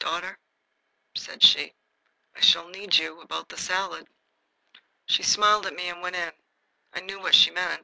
"Daughter," said she, "I shall need you about the salad." She smiled at me and went in. I knew what that meant.